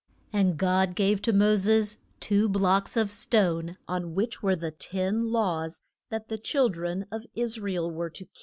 And God gave to Mo ses two blocks of stone on which were the Ten Laws that the chil dren of Is ra el were to keep.